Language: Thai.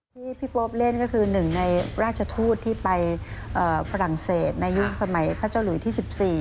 ที่พี่โป๊ปเล่นก็คือหนึ่งในราชทูตที่ไปฝรั่งเศสในยุคสมัยพระเจ้าหลุยที่๑๔